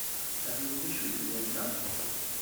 Tfehmem d acu i d-nenna?